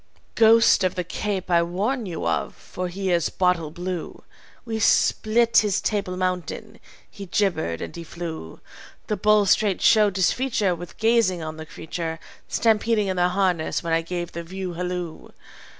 "Ghost of the Cape I warn you of, for he is bottle blue. We split his Table Mountain. He gibbered and he flew. The bulls straight showed disfeature With gazing on the creature, Stampeding in their harness when I gave the view halloo.